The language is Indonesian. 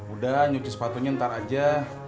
udah nyuci sepatunya ntar aja